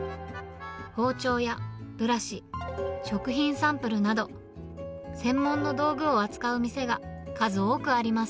包丁やブラシ、食品サンプルなど、専門の道具を扱う店が、数多くあります。